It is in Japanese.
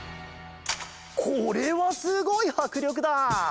これはすごいはくりょくだ！